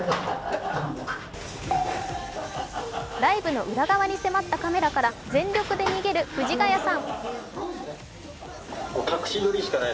ライブの裏側に迫ったカメラから全力で逃げる藤ヶ谷さん。